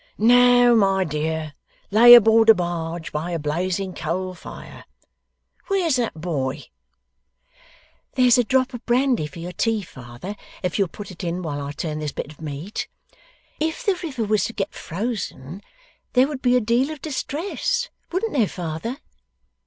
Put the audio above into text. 'No, my dear. Lay aboard a barge, by a blazing coal fire. Where's that boy?' 'There's a drop of brandy for your tea, father, if you'll put it in while I turn this bit of meat. If the river was to get frozen, there would be a deal of distress; wouldn't there, father?